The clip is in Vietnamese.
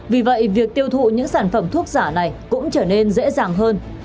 vì vậy việc tiêu thụ những sản phẩm thuốc giả này cũng trở nên dễ dàng hơn